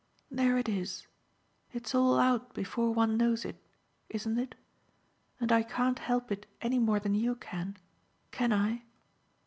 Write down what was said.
There it is it's all out before one knows it, isn't it, and I can't help it any more than you can, can I?"